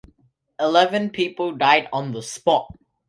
Eleven people died on the spot.